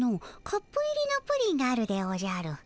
カップ入りのプリンがあるでおじゃる。